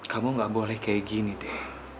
kamu gak boleh kayak gini deh